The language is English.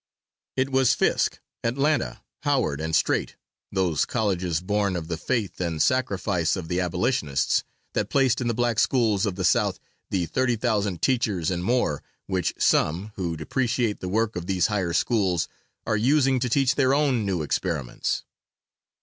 It was Fisk, Atlanta, Howard and Straight, those colleges born of the faith and sacrifice of the abolitionists, that placed in the black schools of the South the 30,000 teachers and more, which some, who depreciate the work of these higher schools, are using to teach their own new experiments.